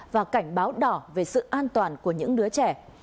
và cảnh báo đỏ về sự an toàn của những đứa trẻ